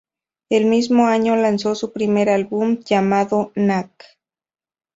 El mismo año lanzó su primer álbum llamado "Nac.